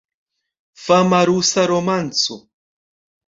Fama rusa romanco.